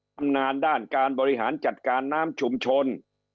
ตำนานด้านการบริหารจัดการน้ำชุมชน